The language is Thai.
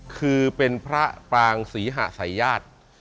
คือเป็นพระปรางศรีหะสายญาติ